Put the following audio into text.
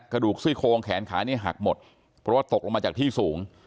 กระดูกซี่โครงแขนขาเนี่ยหักหมดเพราะว่าตกลงมาจากที่สูง